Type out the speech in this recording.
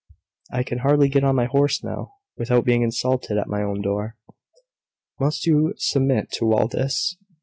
I can hardly get on my horse now, without being insulted at my own door." "Must you submit to all this?"